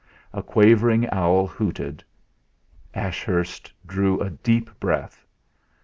A quavering owl hooted. Ashurst drew a deep breath.